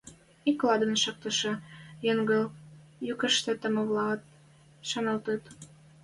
Икладын шактышы йӹнгӹл юкышты тамавлӓӓт шаналтыт.